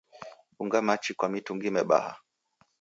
Dunga machi kwa mitungi mibaha